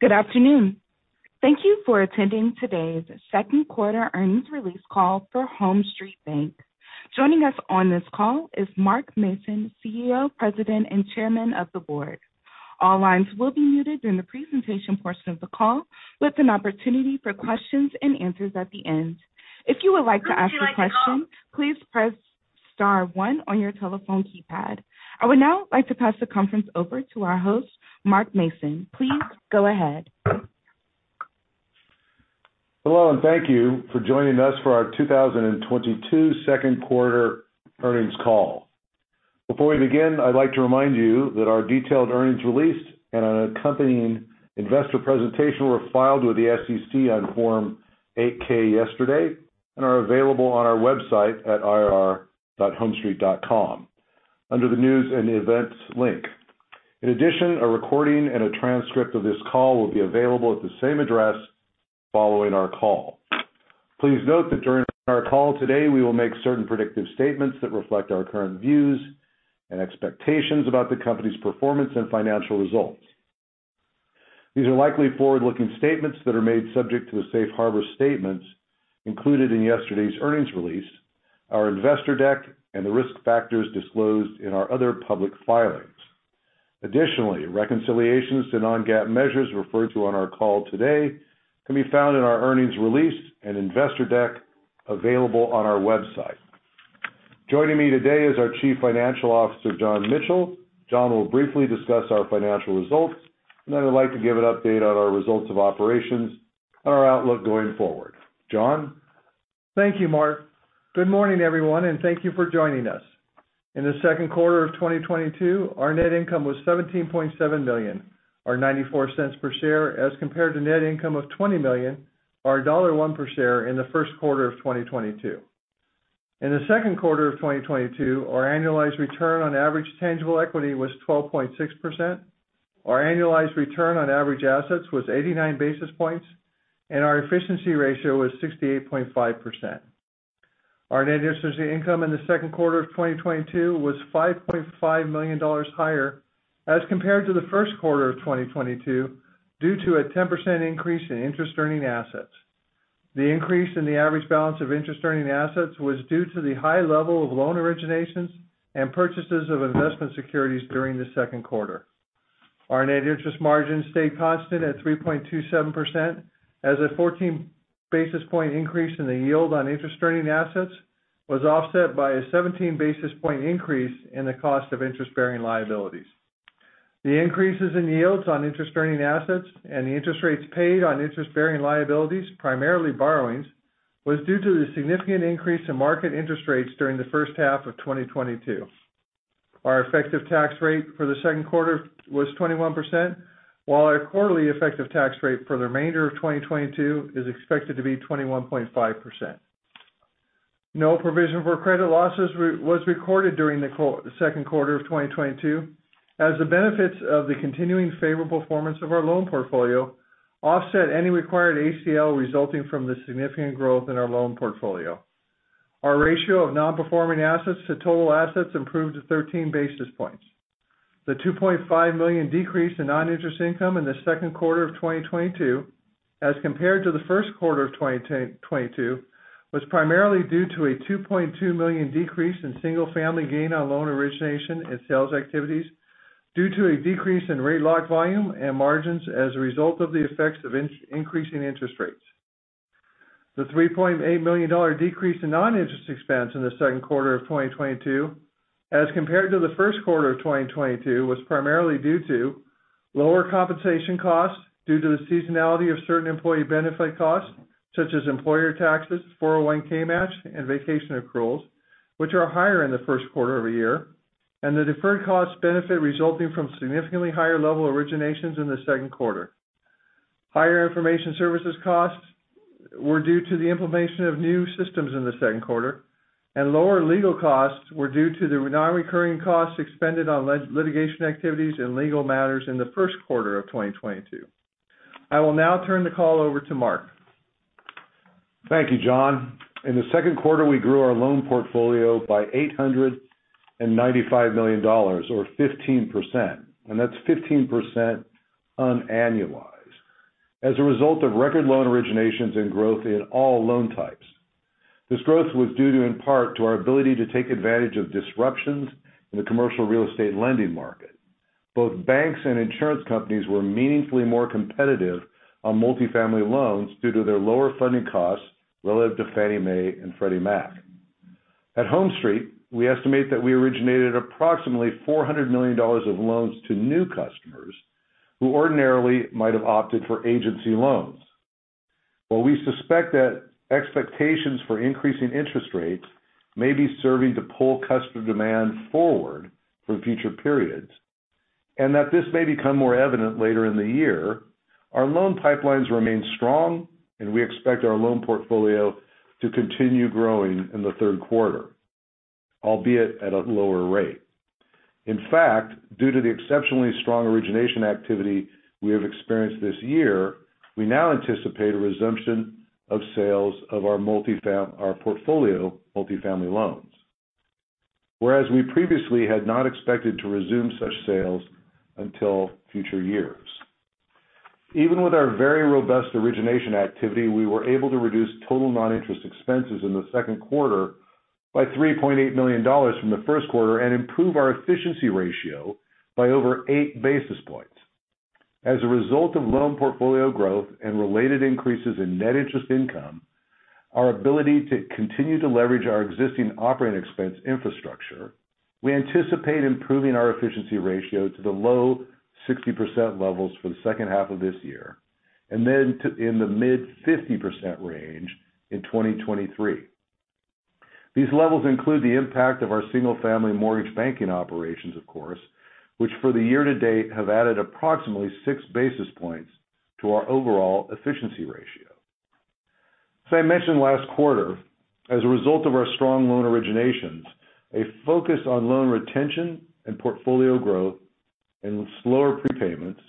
Good afternoon. Thank you for attending today's Second Quarter Earnings Release call for HomeStreet Bank. Joining us on this call is Mark K. Mason, CEO, President, and Chairman of the Board. All lines will be muted during the presentation portion of the call with an opportunity for questions and answers at the end. If you would like to ask a question, please press star one on your telephone keypad. I would now like to pass the conference over to our host, Mark K. Mason. Please go ahead. Hello and thank you for joining us for our 2022 Second Quarter Earnings Call. Before we begin, I'd like to remind you that our detailed earnings release and an accompanying investor presentation were filed with the SEC on Form 8-K yesterday and are available on our website at ir.homestreet.com under the News and Events link. In addition, a recording and a transcript of this call will be available at the same address following our call. Please note that during our call today, we will make certain predictive statements that reflect our current views and expectations about the company's performance and financial results. These are likely forward-looking statements that are made subject to the safe harbor statements included in yesterday's earnings release, our investor deck, and the risk factors disclosed in our other public filings. Additionally, reconciliations to non-GAAP measures referred to on our call today can be found in our earnings release and investor deck available on our website. Joining me today is our Chief Financial Officer, John M. Michel. John will briefly discuss our financial results, and then I'd like to give an update on our results of operations and our outlook going forward. John. Thank you, Mark. Good morning, everyone, and thank you for joining us. In the second quarter of 2022, our net income was $17.7 million or $0.94 per share as compared to net income of $20 million or $1 per share in the first quarter of 2022. In the second quarter of 2022, our annualized return on average tangible equity was 12.6%. Our annualized return on average assets was 89 basis points, and our efficiency ratio was 68.5%. Our net interest income in the second quarter of 2022 was $5.5 million higher as compared to the first quarter of 2022 due to a 10% increase in interest earning assets. The increase in the average balance of interest-earning assets was due to the high level of loan originations and purchases of investment securities during the second quarter. Our net interest margin stayed constant at 3.27% as a 14 basis point increase in the yield on interest-earning assets was offset by a 17 basis point increase in the cost of interest-bearing liabilities. The increases in yields on interest-earning assets and the interest rates paid on interest-bearing liabilities, primarily borrowings, was due to the significant increase in market interest rates during the first half of 2022. Our effective tax rate for the second quarter was 21%, while our quarterly effective tax rate for the remainder of 2022 is expected to be 21.5%. No provision for credit losses was recorded during the second quarter of 2022 as the benefits of the continuing favorable performance of our loan portfolio offset any required ACL resulting from the significant growth in our loan portfolio. Our ratio of non-performing assets to total assets improved to 13 basis points. The $2.5 million decrease in non-interest income in the second quarter of 2022 as compared to the first quarter of 2022 was primarily due to a $2.2 million decrease in single-family gain on loan origination and sales activities due to a decrease in rate lock volume and margins as a result of the effects of increasing interest rates. The $3.8 million decrease in non-interest expense in the second quarter of 2022 as compared to the first quarter of 2022 was primarily due to lower compensation costs due to the seasonality of certain employee benefit costs such as employer taxes, 401(k) match, and vacation accruals, which are higher in the first quarter of a year, and the deferred cost benefit resulting from significantly higher level originations in the second quarter. Higher information services costs were due to the implementation of new systems in the second quarter, and lower legal costs were due to the non-recurring costs expended on legal litigation activities and legal matters in the first quarter of 2022. I will now turn the call over to Mark Mason. Thank you, John. In the second quarter, we grew our loan portfolio by $895 million or 15%, and that's 15% unannualized. As a result of record loan originations and growth in all loan types. This growth was due in part to our ability to take advantage of disruptions in the commercial real estate lending market. Both banks and insurance companies were meaningfully more competitive on multifamily loans due to their lower funding costs relative to Fannie Mae and Freddie Mac. At HomeStreet, we estimate that we originated approximately $400 million of loans to new customers who ordinarily might have opted for agency loans. While we suspect that expectations for increasing interest rates may be serving to pull customer demand forward for future periods and that this may become more evident later in the year, our loan pipelines remain strong and we expect our loan portfolio to continue growing in the third quarter, albeit at a lower rate. In fact, due to the exceptionally strong origination activity we have experienced this year, we now anticipate a resumption of sales of our portfolio multifamily loans. Whereas we previously had not expected to resume such sales until future years. Even with our very robust origination activity, we were able to reduce total non-interest expenses in the second quarter by $3.8 million from the first quarter and improve our efficiency ratio by over eight basis points. As a result of loan portfolio growth and related increases in net interest income, our ability to continue to leverage our existing operating expense infrastructure, we anticipate improving our efficiency ratio to the low 60% levels for the second half of this year and then to in the mid-50% range in 2023. These levels include the impact of our single-family mortgage banking operations, of course, which for the year to date, have added approximately six basis points to our overall efficiency ratio. As I mentioned last quarter, as a result of our strong loan originations, a focus on loan retention and portfolio growth and slower prepayments,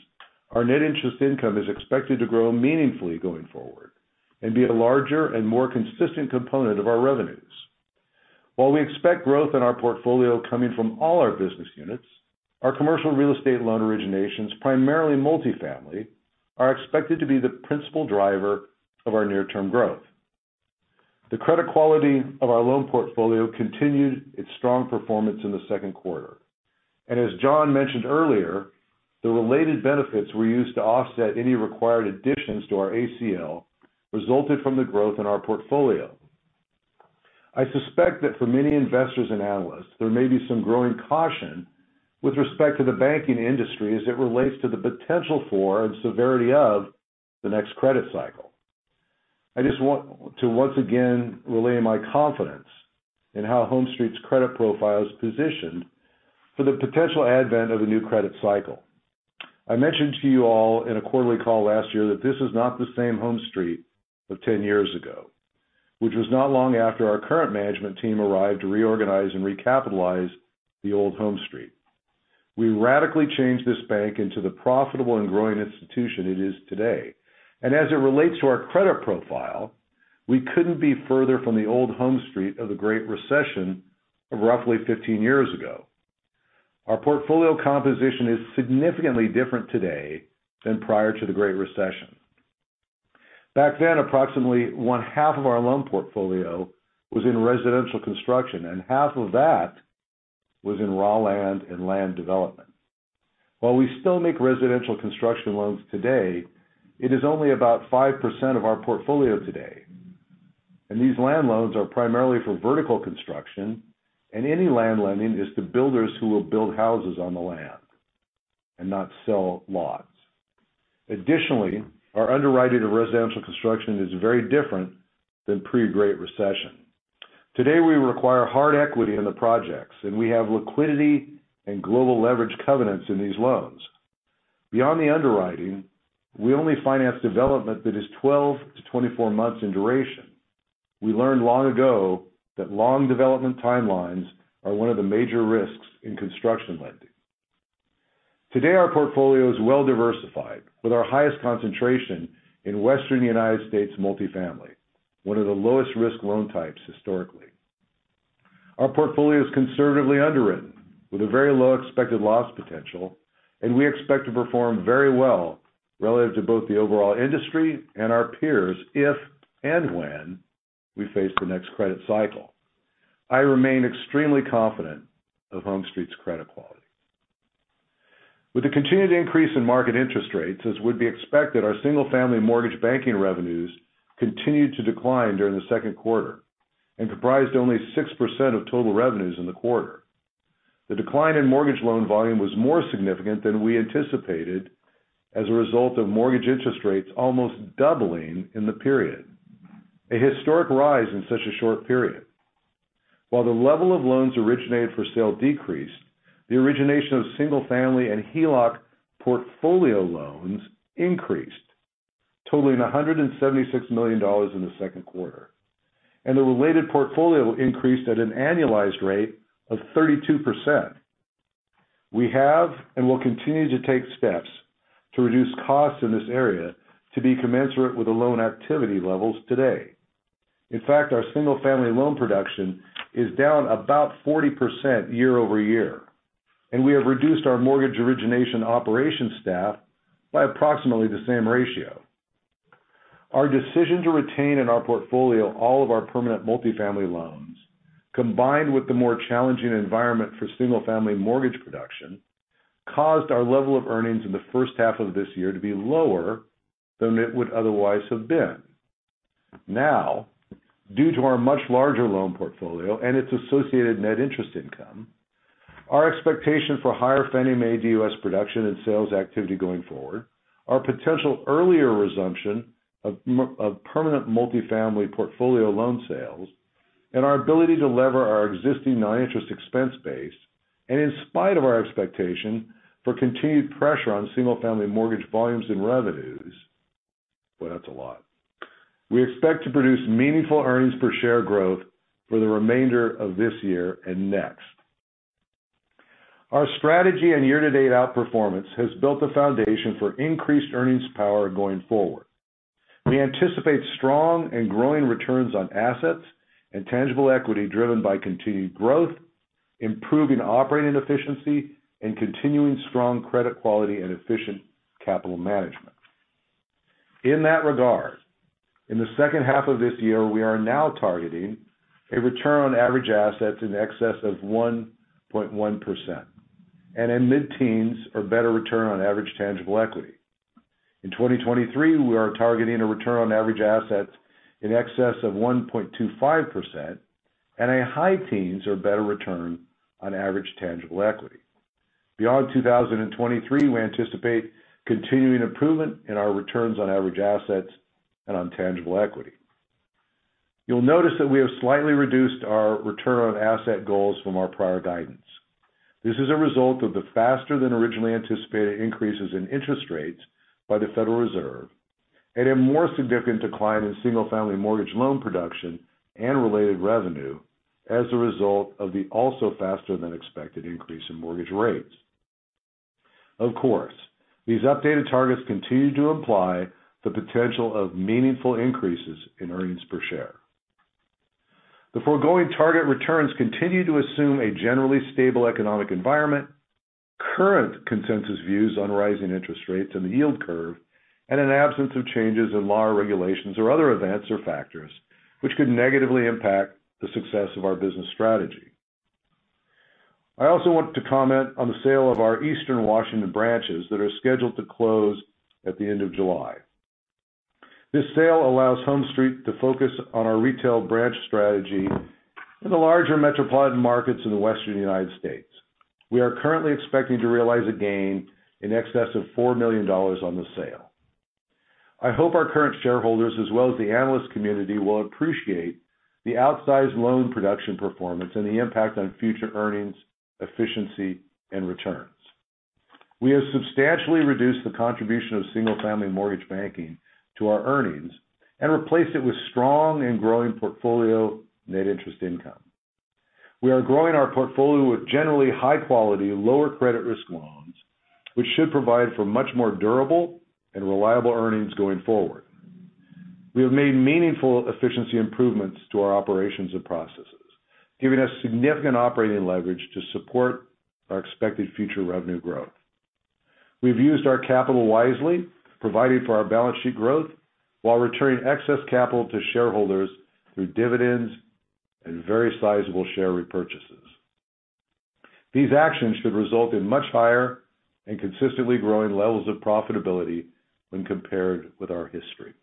our net interest income is expected to grow meaningfully going forward and be a larger and more consistent component of our revenues. While we expect growth in our portfolio coming from all our business units, our commercial real estate loan originations, primarily multifamily, are expected to be the principal driver of our near-term growth. The credit quality of our loan portfolio continued its strong performance in the second quarter. As John mentioned earlier, the related benefits were used to offset any required additions to our ACL resulted from the growth in our portfolio. I suspect that for many investors and analysts, there may be some growing caution with respect to the banking industry as it relates to the potential for and severity of the next credit cycle. I just want to once again relay my confidence in how HomeStreet's credit profile is positioned for the potential advent of a new credit cycle. I mentioned to you all in a quarterly call last year that this is not the same HomeStreet of 10 years ago, which was not long after our current management team arrived to reorganize and recapitalize the old HomeStreet. We radically changed this bank into the profitable and growing institution it is today. As it relates to our credit profile, we couldn't be further from the old HomeStreet of the Great Recession of roughly 15 years ago. Our portfolio composition is significantly different today than prior to the Great Recession. Back then, approximately one-half of our loan portfolio was in residential construction, and half of that was in raw land and land development. While we still make residential construction loans today, it is only about 5% of our portfolio today. These land loans are primarily for vertical construction, and any land lending is to builders who will build houses on the land and not sell lots. Additionally, our underwriting of residential construction is very different than pre-Great Recession. Today, we require hard equity in the projects, and we have liquidity and global leverage covenants in these loans. Beyond the underwriting, we only finance development that is 12 months-24 months in duration. We learned long ago that long development timelines are one of the major risks in construction lending. Today, our portfolio is well-diversified, with our highest concentration in Western United States multifamily, one of the lowest-risk loan types historically. Our portfolio is conservatively underwritten, with a very low expected loss potential, and we expect to perform very well relative to both the overall industry and our peers if and when we face the next credit cycle. I remain extremely confident of HomeStreet's credit quality. With the continued increase in market interest rates, as would be expected, our single-family mortgage banking revenues continued to decline during the second quarter and comprised only 6% of total revenues in the quarter. The decline in mortgage loan volume was more significant than we anticipated as a result of mortgage interest rates almost doubling in the period, a historic rise in such a short period. While the level of loans originated for sale decreased, the origination of single-family and HELOC portfolio loans increased, totaling $176 million in the second quarter, and the related portfolio increased at an annualized rate of 32%. We have and will continue to take steps to reduce costs in this area to be commensurate with the loan activity levels today. In fact, our single-family loan production is down about 40% year over year, and we have reduced our mortgage origination operations staff by approximately the same ratio. Our decision to retain in our portfolio all of our permanent multifamily loans, combined with the more challenging environment for single-family mortgage production, caused our level of earnings in the first half of this year to be lower than it would otherwise have been. Now, due to our much larger loan portfolio and its associated net interest income, our expectation for higher Fannie Mae DUS production and sales activity going forward, our potential earlier resumption of permanent multifamily portfolio loan sales, and our ability to lever our existing non-interest expense base, and in spite of our expectation for continued pressure on single-family mortgage volumes and revenues. Boy, that's a lot. We expect to produce meaningful earnings per share growth for the remainder of this year and next. Our strategy and year-to-date outperformance has built a foundation for increased earnings power going forward. We anticipate strong and growing returns on assets and tangible equity driven by continued growth, improving operating efficiency, and continuing strong credit quality and efficient capital management. In that regard, in the second half of this year, we are now targeting a return on average assets in excess of 1.1% and a mid-teens or better return on average tangible equity. In 2023, we are targeting a return on average assets in excess of 1.25% and a high teens or better return on average tangible equity. Beyond 2023, we anticipate continuing improvement in our returns on average assets and on tangible equity. You'll notice that we have slightly reduced our return on assets goals from our prior guidance. This is a result of the faster than originally anticipated increases in interest rates by the Federal Reserve and a more significant decline in single-family mortgage loan production and related revenue as a result of the also faster than expected increase in mortgage rates. Of course, these updated targets continue to imply the potential of meaningful increases in earnings per share. The foregoing target returns continue to assume a generally stable economic environment, current consensus views on rising interest rates and the yield curve, and an absence of changes in law or regulations or other events or factors which could negatively impact the success of our business strategy. I also want to comment on the sale of our Eastern Washington branches that are scheduled to close at the end of July. This sale allows HomeStreet to focus on our retail branch strategy in the larger metropolitan markets in the Western United States. We are currently expecting to realize a gain in excess of $4 million on the sale. I hope our current shareholders, as well as the analyst community, will appreciate the outsized loan production performance and the impact on future earnings, efficiency, and returns. We have substantially reduced the contribution of single-family mortgage banking to our earnings and replaced it with strong and growing portfolio net interest income. We are growing our portfolio with generally high-quality, lower credit risk loans, which should provide for much more durable and reliable earnings going forward. We have made meaningful efficiency improvements to our operations and processes, giving us significant operating leverage to support our expected future revenue growth. We've used our capital wisely, providing for our balance sheet growth while returning excess capital to shareholders through dividends and very sizable share repurchases. These actions should result in much higher and consistently growing levels of profitability when compared with our history.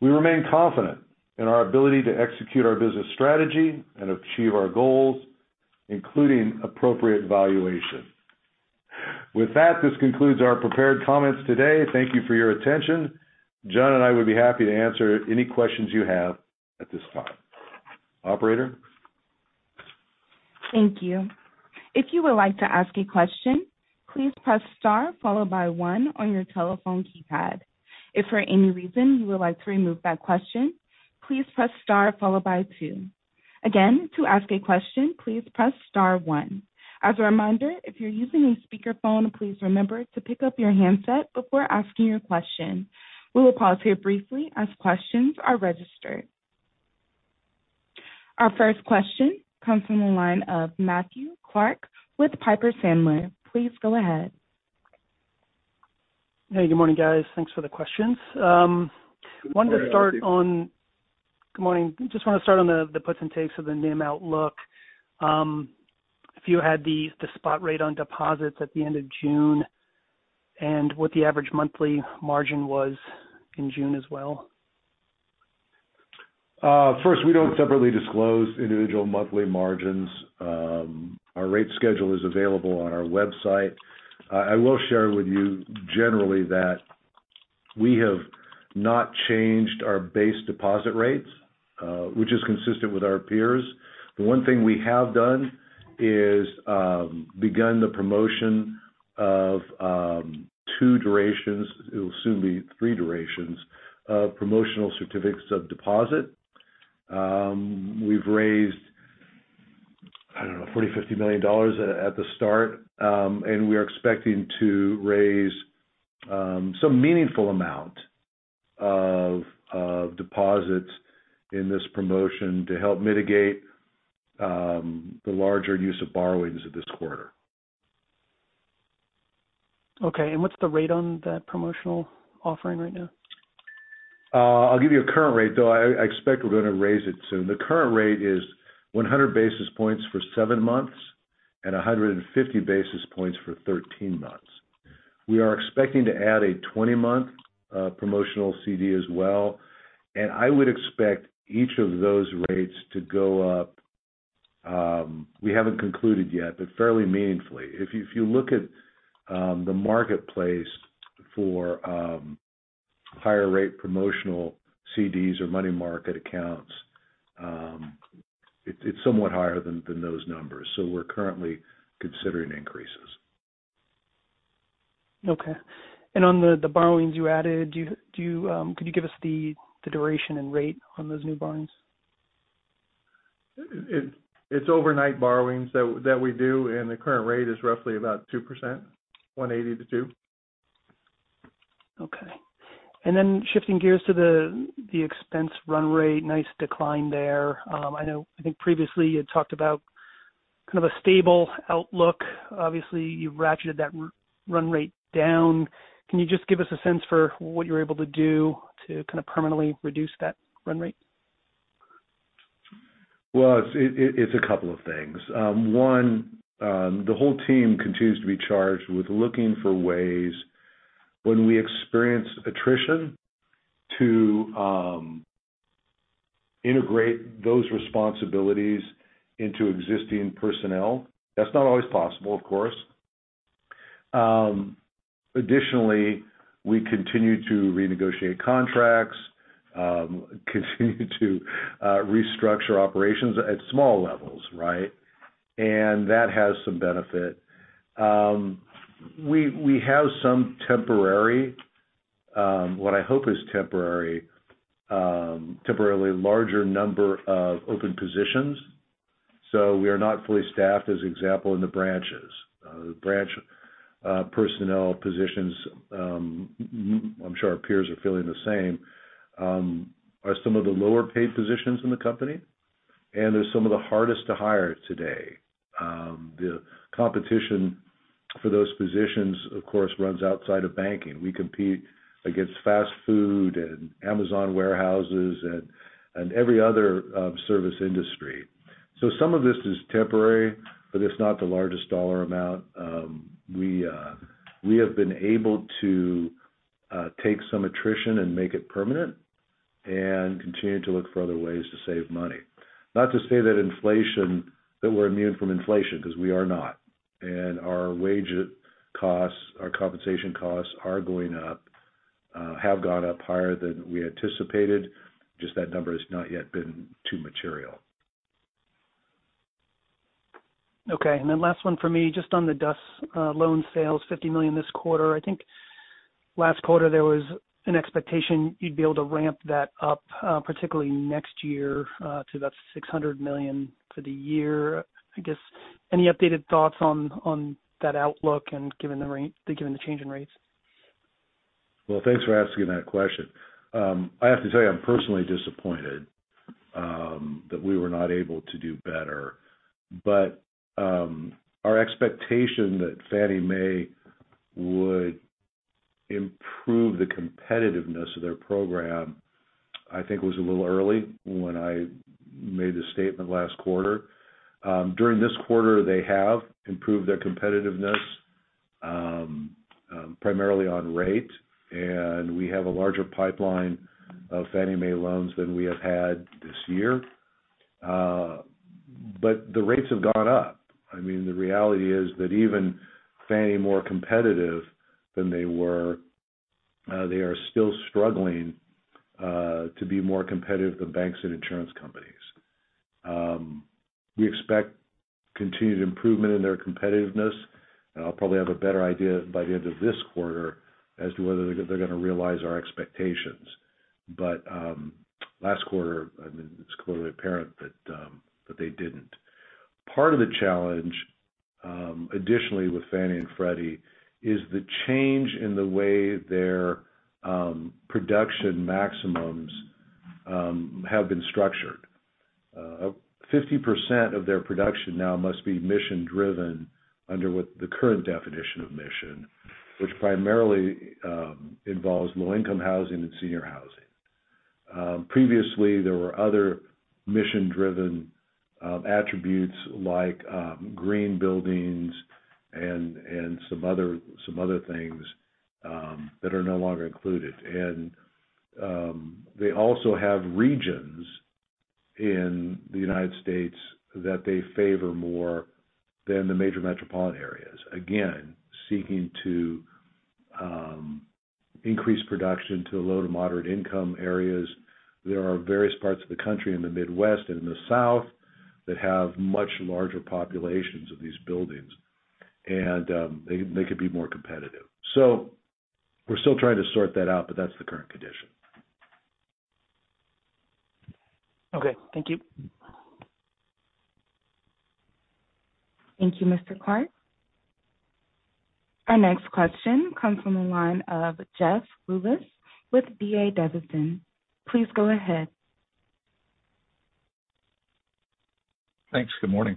We remain confident in our ability to execute our business strategy and achieve our goals, including appropriate valuation. With that, this concludes our prepared comments today. Thank you for your attention. John and I would be happy to answer any questions you have at this time. Operator? Thank you. If you would like to ask a question, please press star followed by one on your telephone keypad. If for any reason you would like to remove that question, please press star followed by two. Again, to ask a question, please press star one. As a reminder, if you're using a speakerphone, please remember to pick up your handset before asking your question. We will pause here briefly as questions are registered. Our first question comes from the line of Matthew Clark with Piper Sandler. Please go ahead. Hey, good morning, guys. Thanks for the questions. Wanted to start on. Good morning, Matthew. Good morning. Just want to start on the puts and takes of the NIM outlook. If you had the spot rate on deposits at the end of June and what the average monthly margin was in June as well? First, we don't separately disclose individual monthly margins. Our rate schedule is available on our website. I will share with you generally that we have not changed our base deposit rates, which is consistent with our peers. The one thing we have done is begun the promotion of two durations. It will soon be three durations of promotional certificates of deposit. We've raised, I don't know, $40 million-$50 million at the start, and we are expecting to raise some meaningful amount of deposits in this promotion to help mitigate the larger use of borrowings of this quarter. Okay. What's the rate on that promotional offering right now? I'll give you a current rate, though I expect we're gonna raise it soon. The current rate is 100 basis points for seven months and 150 basis points for 13 months. We are expecting to add a 20-month promotional CD as well, and I would expect each of those rates to go up, we haven't concluded yet, but fairly meaningfully. If you look at the marketplace for higher rate promotional CDs or money market accounts, it's somewhat higher than those numbers. We're currently considering increases. Okay. On the borrowings you added, could you give us the duration and rate on those new borrowings? It's overnight borrowings that we do, and the current rate is roughly about 2%, 1.80-2. Okay. Then shifting gears to the expense run rate. Nice decline there. I know, I think previously you had talked about kind of a stable outlook. Obviously, you ratcheted that run rate down. Can you just give us a sense for what you're able to do to kind of permanently reduce that run rate? Well, it's a couple of things. One, the whole team continues to be charged with looking for ways when we experience attrition to integrate those responsibilities into existing personnel. That's not always possible, of course. Additionally, we continue to renegotiate contracts, continue to restructure operations at small levels, right? That has some benefit. We have some temporary, what I hope is temporary, temporarily larger number of open positions. So we are not fully staffed, as example, in the branches. The branch personnel positions, I'm sure our peers are feeling the same, are some of the lower paid positions in the company, and they're some of the hardest to hire today. The competition for those positions, of course, runs outside of banking. We compete against fast food and Amazon warehouses and every other service industry. Some of this is temporary, but it's not the largest dollar amount. We have been able to take some attrition and make it permanent and continue to look for other ways to save money. Not to say that inflation that we're immune from inflation, because we are not. Our wage costs, our compensation costs are going up have gone up higher than we anticipated. Just that number has not yet been too material. Okay. Last one for me, just on the DUS loan sales, $50 million this quarter. I think last quarter there was an expectation you'd be able to ramp that up, particularly next year, to about $600 million for the year. I guess any updated thoughts on that outlook and given the change in rates? Well, thanks for asking that question. I have to tell you, I'm personally disappointed that we were not able to do better. Our expectation that Fannie Mae would improve the competitiveness of their program, I think was a little early when I made the statement last quarter. During this quarter, they have improved their competitiveness, primarily on rate. We have a larger pipeline of Fannie Mae loans than we have had this year. The rates have gone up. I mean, the reality is that even Fannie more competitive than they were, they are still struggling to be more competitive than banks and insurance companies. We expect continued improvement in their competitiveness. I'll probably have a better idea by the end of this quarter as to whether they're gonna realize our expectations. Last quarter, I mean, it's clearly apparent that that they didn't. Part of the challenge, additionally with Fannie and Freddie is the change in the way their production maximums have been structured. 50% of their production now must be mission-driven under what the current definition of mission, which primarily involves low-income housing and senior housing. Previously, there were other mission-driven attributes like green buildings and some other things that are no longer included. They also have regions in the United States that they favor more than the major metropolitan areas. Again, seeking to increase production to the low to moderate income areas. There are various parts of the country in the Midwest and in the South that have much larger populations of these buildings, and they could be more competitive. We're still trying to sort that out, but that's the current condition. Okay, thank you. Thank you, Mr. Clark. Our next question comes from the line of Jeff Rulis with D.A. Davidson. Please go ahead. Thanks. Good morning.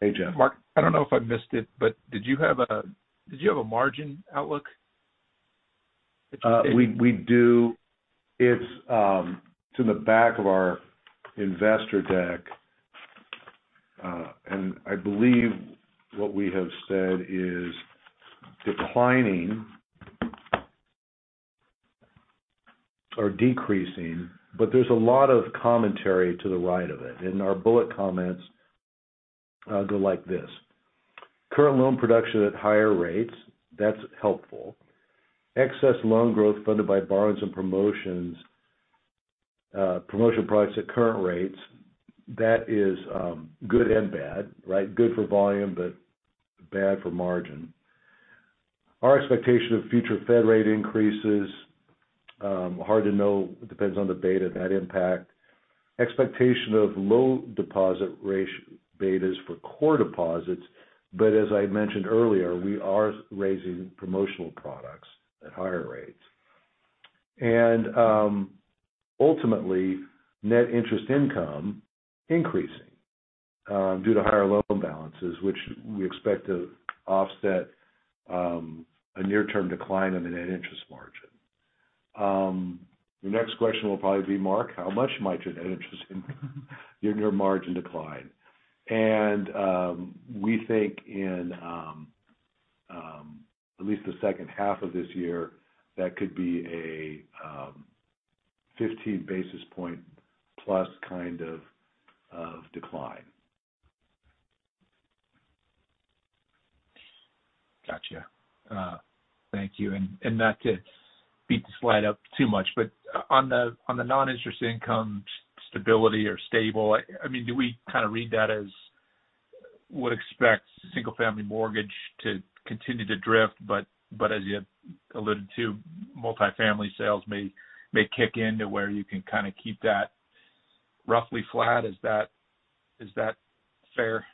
Hey, Jeff. Mark, I don't know if I missed it, but did you have a margin outlook that you did? We do. It's in the back of our investor deck. I believe what we have said is declining or decreasing. There's a lot of commentary to the right of it. Our bullet comments go like this. Current loan production at higher rates, that's helpful. Excess loan growth funded by borrowings and promotional products at current rates. That is good and bad, right? Good for volume, but bad for margin. Our expectation of future Fed rate increases hard to know. Depends on the beta that impact. Expectation of low deposit ratio betas for core deposits. As I mentioned earlier, we are raising promotional products at higher rates. Ultimately, net interest income increasing due to higher loan balances, which we expect to offset a near-term decline in the net interest margin. The next question will probably be, Mark, how much might your net margin decline? We think in at least the second half of this year, that could be a 15 basis point plus kind of decline. Gotcha. Thank you. Not to beat the slide up too much, but on the non-interest income stability or stable, I mean, do we kind of read that as would expect single-family mortgage to continue to drift, but as you had alluded to, multifamily sales may kick in to where you can kind of keep that roughly flat? Is that fair?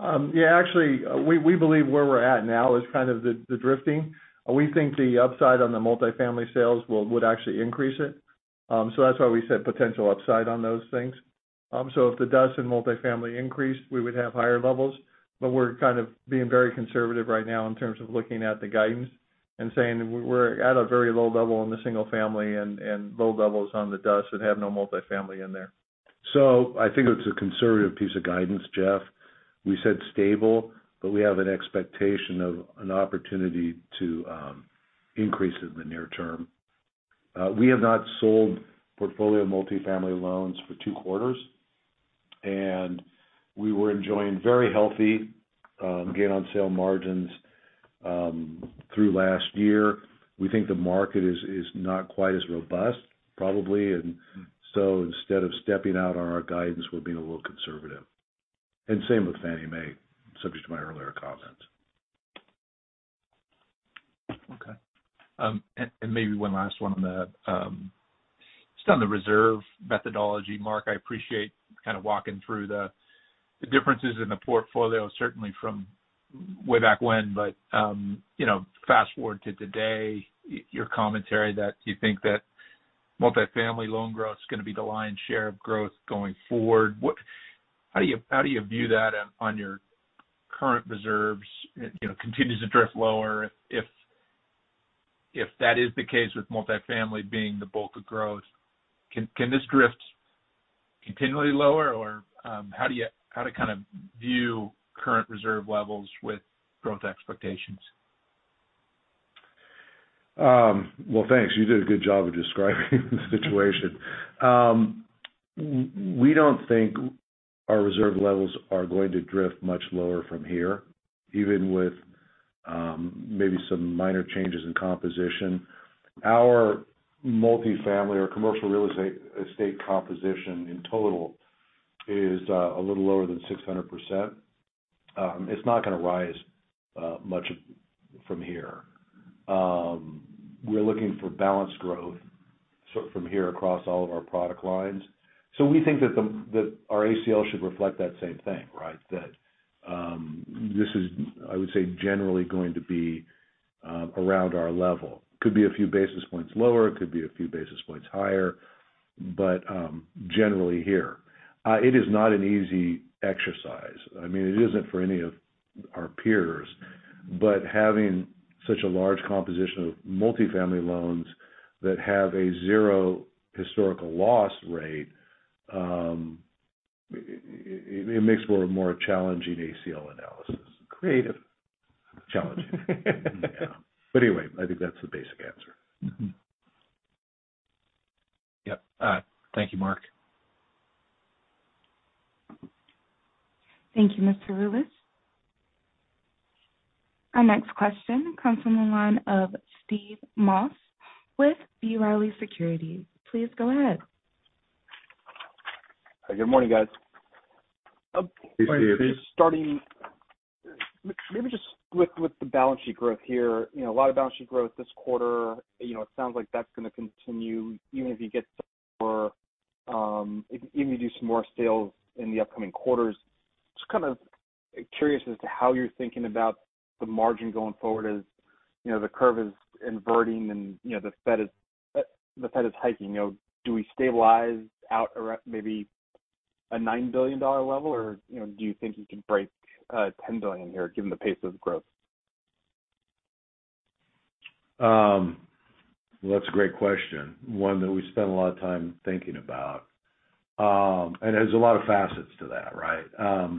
Yeah. Actually, we believe where we're at now is kind of the drifting. We think the upside on the multifamily sales would actually increase it. That's why we said potential upside on those things. If the DUS and multifamily increased, we would have higher levels. We're kind of being very conservative right now in terms of looking at the guidance and saying we're at a very low level in the single family and low levels on the DUS that have no multifamily in there. I think it's a conservative piece of guidance, Jeff Rulis. We said stable, but we have an expectation of an opportunity to increase in the near term. We have not sold portfolio multifamily loans for two quarters, and we were enjoying very healthy gain on sale margins through last year. We think the market is not quite as robust probably. Same with Fannie Mae, subject to my earlier comments. Okay. And maybe one last one on that. Just on the reserve methodology, Mark, I appreciate kind of walking through the differences in the portfolio, certainly from way back when, but you know, fast-forward to today, your commentary that you think that multifamily loan growth is gonna be the lion's share of growth going forward. How do you view that on your current reserves? You know, continues to drift lower. If that is the case with multifamily being the bulk of growth, can this drift continually lower or how do you view current reserve levels with growth expectations? Well, thanks. You did a good job of describing the situation. We don't think our reserve levels are going to drift much lower from here, even with maybe some minor changes in composition. Our multifamily or commercial real estate composition in total is a little lower than 600%. It's not gonna rise much from here. We're looking for balanced growth from here across all of our product lines. We think that our ACL should reflect that same thing, right? That this is, I would say, generally going to be around our level. Could be a few basis points lower, it could be a few basis points higher, but generally here. It is not an easy exercise. I mean, it isn't for any of our peers. Having such a large composition of multifamily loans that have a zero historical loss rate, it makes for a more challenging ACL analysis. Creative. Challenging. Yeah. Anyway, I think that's the basic answer. Mm-hmm. Yep. Thank you, Mark. Thank you, Mr. Rulis. Our next question comes from the line of Steve Moss with B. Riley Securities. Please go ahead. Good morning, guys. Hey, Steve. Maybe just with the balance sheet growth here. You know, a lot of balance sheet growth this quarter. You know, it sounds like that's gonna continue even if you get some more, even if you do some more sales in the upcoming quarters. Just kind of curious as to how you're thinking about the margin going forward as, you know, the curve is inverting and, you know, the Fed is hiking. You know, do we stabilize out around maybe a $9 billion level? Or, you know, do you think you can break $10 billion here given the pace of growth? Well, that's a great question, one that we spend a lot of time thinking about. There's a lot of facets to that, right?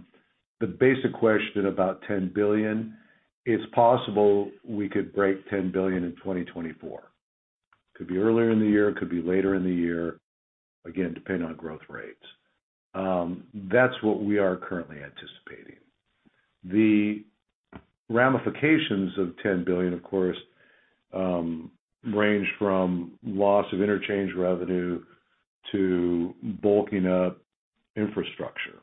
The basic question about $10 billion, it's possible we could break $10 billion in 2024. Could be earlier in the year, could be later in the year, again, depending on growth rates. That's what we are currently anticipating. The ramifications of $10 billion, of course, range from loss of interchange revenue to bulking up infrastructure.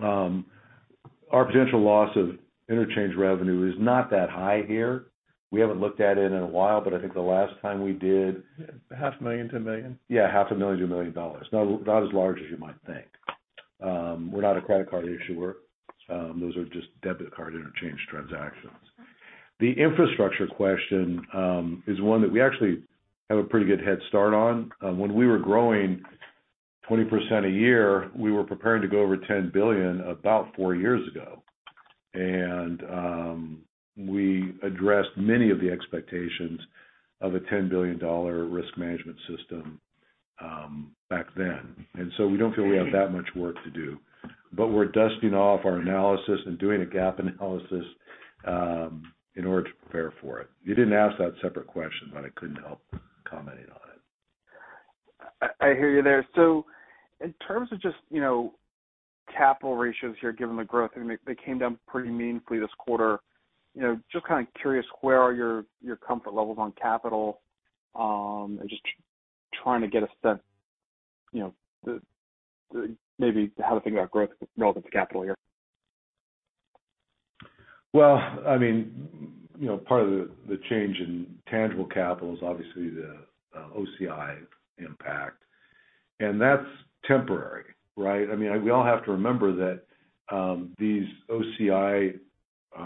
Our potential loss of interchange revenue is not that high here. We haven't looked at it in a while, but I think the last time we did- half a million, $10 million. Yeah, $500,000-$1 million. Not as large as you might think. We're not a credit card issuer, those are just debit card interchange transactions. The infrastructure question is one that we actually have a pretty good head start on. When we were growing 20% a year, we were preparing to go over $10 billion about four years ago. We addressed many of the expectations of a $10 billion risk management system back then. We don't feel we have that much work to do. We're dusting off our analysis and doing a gap analysis in order to prepare for it. You didn't ask that separate question, but I couldn't help commenting on it. I hear you there. In terms of just, you know, capital ratios here, given the growth, I mean, they came down pretty meaningfully this quarter. You know, just kind of curious, where are your comfort levels on capital? Just trying to get a sense, you know, maybe how to think about growth relative to capital here. Well, I mean, you know, part of the change in tangible capital is obviously the OCI impact, and that's temporary, right? I mean, we all have to remember that these OCI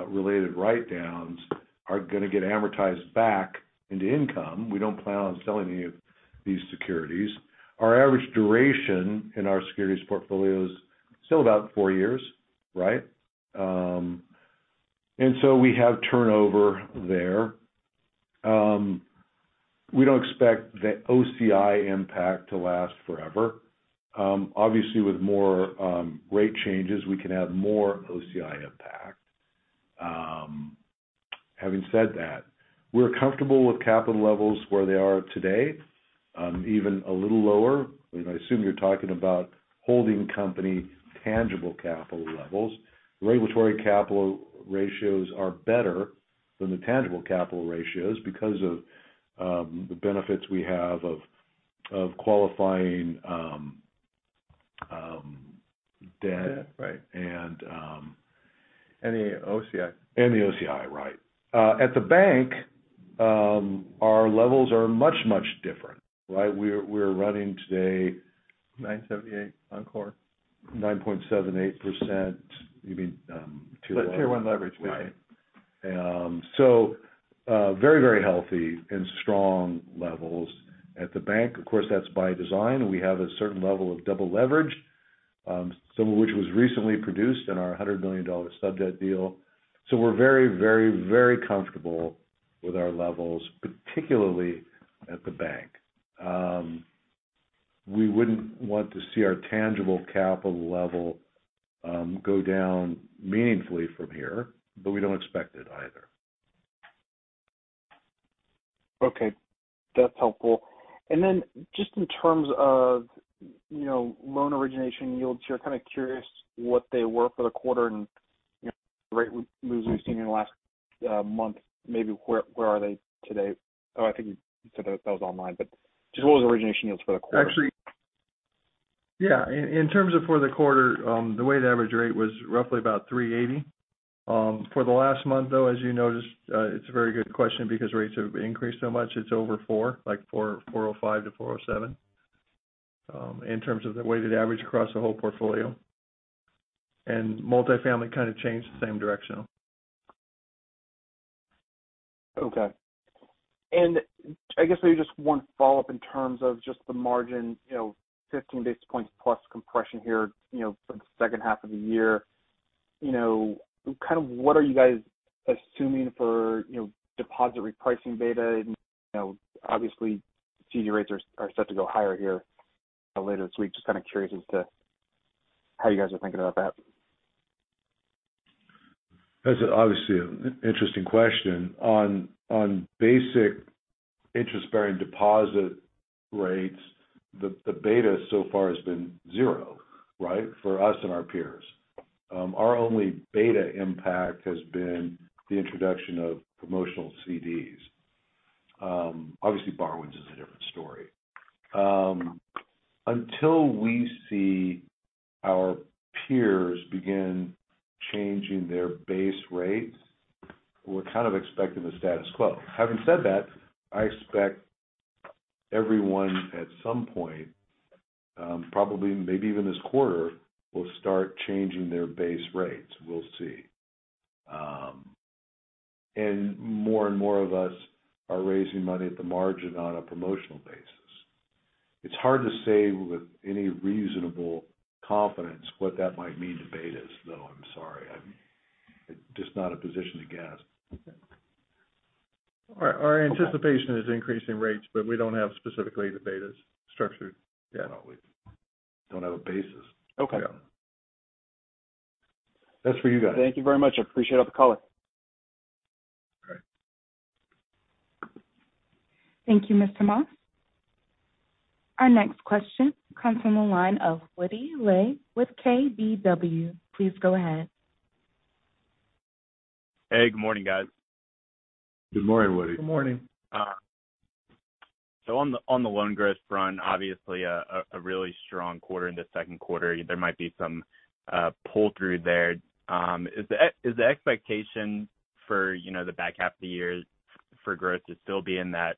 related write downs are gonna get amortized back into income. We don't plan on selling any of these securities. Our average duration in our securities portfolio is still about four years, right? We have turnover there. We don't expect the OCI impact to last forever. Obviously with more rate changes, we can have more OCI impact. Having said that, we're comfortable with capital levels where they are today, even a little lower. I assume you're talking about holding company tangible capital levels. Regulatory capital ratios are better than the tangible capital ratios because of the benefits we have of qualifying debt- Right. -and, um- The OCI. The OCI, right. At the bank, our levels are much different, right? We're running today- 978 on core. 9.78%. You mean, Tier 1? Tier 1 leverage. Right. Very healthy and strong levels at the bank. Of course, that's by design. We have a certain level of double leverage, some of which was recently produced in our $100 million subordinated debt deal. We're very comfortable with our levels, particularly at the bank. We wouldn't want to see our tangible capital level go down meaningfully from here, but we don't expect it either. Okay. That's helpful. Then just in terms of, you know, loan origination yields, just kind of curious what they were for the quarter and, you know, the rate we've seen in the last month, maybe where are they today? Oh, I think you said that was online, but just what was origination yields for the quarter? Actually, yeah, in terms of for the quarter, the weighted average rate was roughly about 3.80%. For the last month, though, as you noticed, it's a very good question because rates have increased so much. It's over 4%, like 4.05%-4.07%, in terms of the weighted average across the whole portfolio. Multifamily kind of changed the same direction. Okay. I guess maybe just one follow-up in terms of just the margin, you know, 15 basis points plus compression here, you know, for the second half of the year. You know, kind of what are you guys assuming for, you know, deposit repricing beta? You know, obviously CD rates are set to go higher here later this week. Just kind of curious as to how you guys are thinking about that. That's obviously an interesting question. On basic interest-bearing deposit rates, the beta so far has been zero, right? For us and our peers. Our only beta impact has been the introduction of promotional CDs. Obviously, borrowings is a different story. Until we see our peers begin changing their base rates, we're kind of expecting the status quo. Having said that, I expect everyone at some point, probably maybe even this quarter, will start changing their base rates. We'll see. More and more of us are raising money at the margin on a promotional basis. It's hard to say with any reasonable confidence what that might mean to betas, though. I'm sorry. I'm just not in a position to guess. Our anticipation is increasing rates, but we don't have specifically the betas structured yet. No, we don't have a basis. Okay. Yeah. That's for you guys. Thank you very much. I appreciate the call. Thank you, Mr. Moss. Our next question comes from the line of Woody Lay with KBW. Please go ahead. Hey, good morning, guys. Good morning, Woody. Good morning. On the loan growth front, obviously a really strong quarter in the second quarter. There might be some pull-through there. Is the expectation for, you know, the back half of the year for growth to still be in that,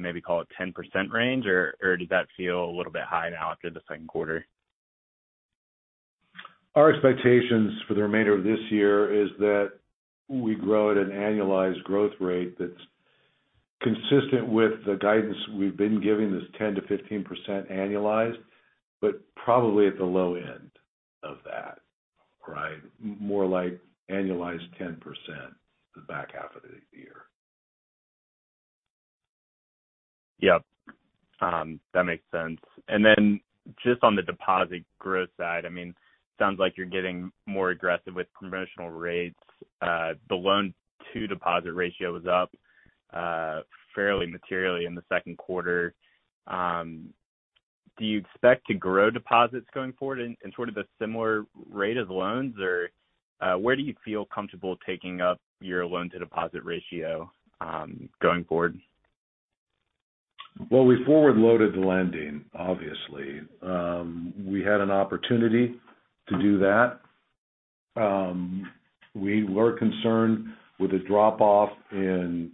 maybe call it 10% range or does that feel a little bit high now after the second quarter? Our expectations for the remainder of this year is that we grow at an annualized growth rate that's consistent with the guidance we've been giving, this 10%-15% annualized, but probably at the low end of that. Right? More like annualized 10% the back half of this year. Yep. That makes sense. Then just on the deposit growth side, I mean, sounds like you're getting more aggressive with promotional rates. The loan to deposit ratio was up fairly materially in the second quarter. Do you expect to grow deposits going forward in sort of a similar rate of loans? Or, where do you feel comfortable taking up your loan to deposit ratio going forward? Well, we forward loaded the lending, obviously. We had an opportunity to do that. We were concerned with a drop off in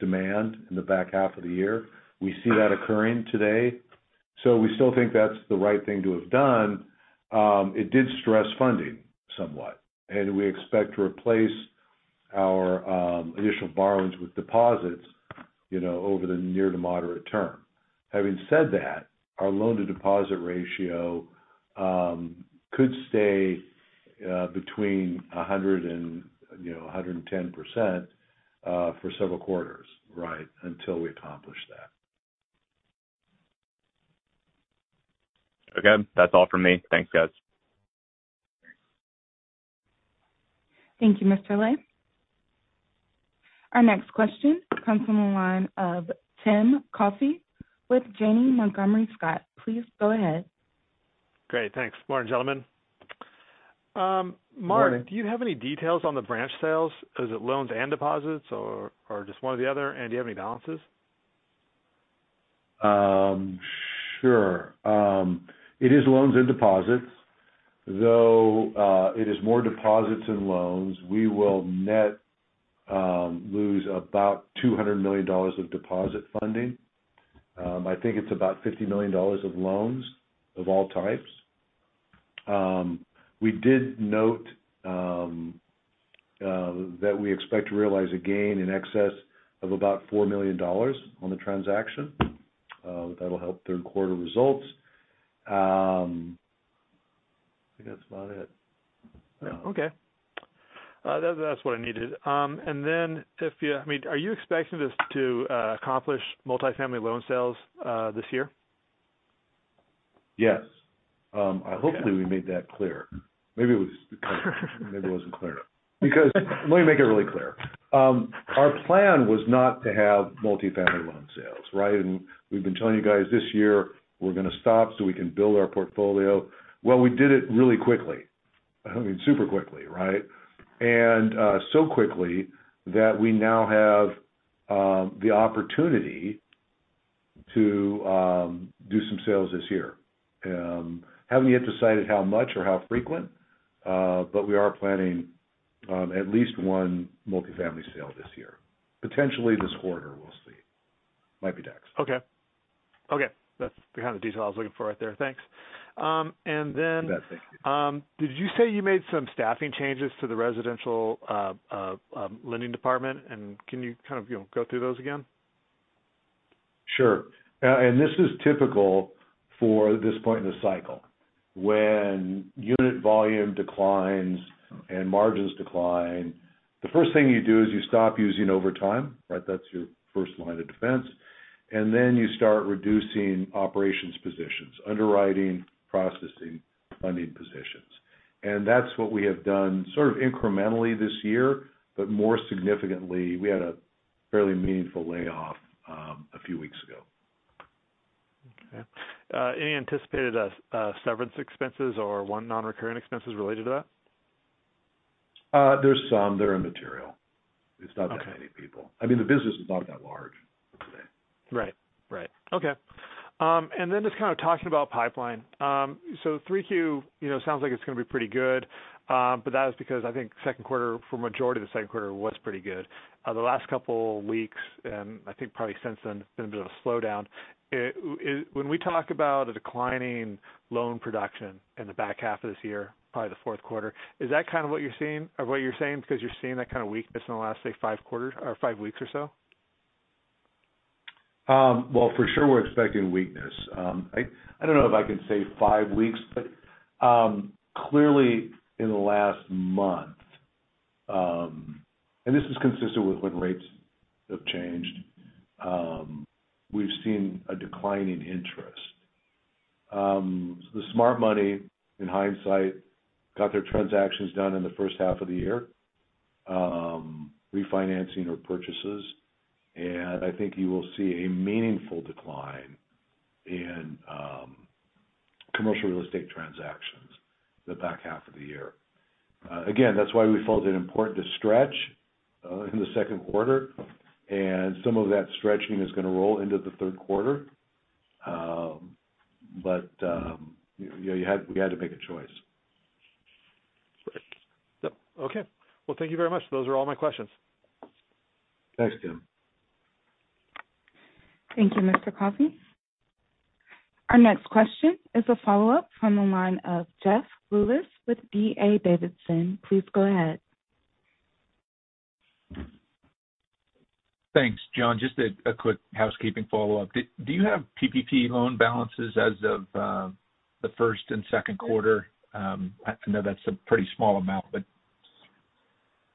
demand in the back half of the year. We see that occurring today, so we still think that's the right thing to have done. It did stress funding somewhat, and we expect to replace our initial borrowings with deposits, you know, over the near to moderate term. Having said that, our loan to deposit ratio could stay between 100 and, you know, 110%, for several quarters, right, until we accomplish that. Okay. That's all from me. Thanks, guys. Thank you, Mr. Lay. Our next question comes from the line of Tim Coffey with Janney Montgomery Scott. Please go ahead. Great. Thanks. Morning, gentlemen. Morning. Mark, do you have any details on the branch sales? Is it loans and deposits or just one or the other? Do you have any balances? Sure. It is loans and deposits. Though, it is more deposits than loans. We will net lose about $200 million of deposit funding. I think it's about $50 million of loans of all types. We did note that we expect to realize a gain in excess of about $4 million on the transaction. That'll help third quarter results. I think that's about it. Okay. That's what I needed. I mean, are you expecting this to accomplish multifamily loan sales this year? Yes. Hopefully we made that clear. Maybe it wasn't clear enough. Because let me make it really clear. Our plan was not to have multifamily loan sales, right? We've been telling you guys this year we're gonna stop so we can build our portfolio. Well, we did it really quickly. I mean, super quickly, right? So quickly that we now have the opportunity to do some sales this year. Haven't yet decided how much or how frequent, but we are planning at least one multifamily sale this year. Potentially this quarter. We'll see. Might be next. Okay. Okay. That's kind of the detail I was looking for right there. Thanks. You bet. Thank you. Did you say you made some staffing changes to the residential lending department? Can you kind of, you know, go through those again? Sure. This is typical for this point in the cycle. When unit volume declines and margins decline, the first thing you do is you stop using overtime, right? That's your first line of defense. Then you start reducing operations positions, underwriting, processing, funding positions. That's what we have done sort of incrementally this year, but more significantly, we had a fairly meaningful layoff, a few weeks ago. Okay, any anticipated severance expenses or other non-recurring expenses related to that? There's some that are immaterial. Okay. It's not that many people. I mean, the business is not that large today. Right. Okay. Just kind of talking about pipeline. 3Q, you know, sounds like it's gonna be pretty good, that is because I think second quarter, for majority of the second quarter, was pretty good. The last couple weeks, and I think probably since then, been a bit of a slowdown. When we talk about a declining loan production in the back half of this year, probably the fourth quarter, is that kind of what you're seeing or what you're saying because you're seeing that kind of weakness in the last, say, five quarters or five weeks or so? Well, for sure we're expecting weakness. I don't know if I can say five weeks, but clearly in the last month, and this is consistent with when rates have changed, we've seen a decline in interest. The smart money in hindsight got their transactions done in the first half of the year, refinancing or purchases. I think you will see a meaningful decline in commercial real estate transactions the back half of the year. Again, that's why we felt it important to stretch in the second quarter and some of that stretching is gonna roll into the third quarter. You know, we had to make a choice. Great. Yep. Okay. Well, thank you very much. Those are all my questions. Thanks, Tim. Thank you, Timothy Coffey. Our next question is a follow-up from the line of Jeff Rulis with D.A. Davidson. Please go ahead. Thanks, John. Just a quick housekeeping follow-up. Do you have PPP loan balances as of the first and second quarter? I know that's a pretty small amount, but...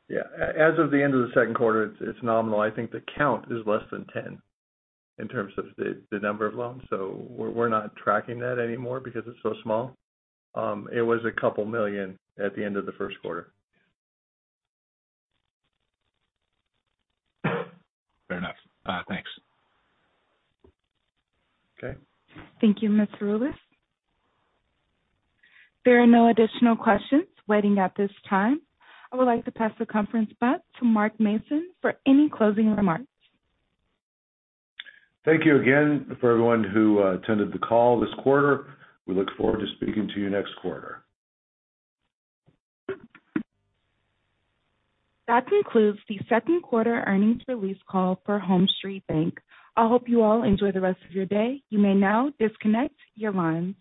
Yeah. As of the end of the second quarter, it's nominal. I think the count is less than 10 in terms of the number of loans. We're not tracking that anymore because it's so small. It was $2 million at the end of the first quarter. Fair enough. Thanks. Okay. Thank you, Mr. Rulis. There are no additional questions waiting at this time. I would like to pass the conference back to Mark Mason for any closing remarks. Thank you again for everyone who attended the call this quarter. We look forward to speaking to you next quarter. That concludes the second quarter earnings release call for HomeStreet Bank. I hope you all enjoy the rest of your day. You may now disconnect your lines.